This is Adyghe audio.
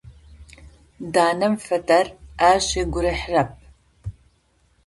Данэм фэдэр ащ ыгу рихьырэп.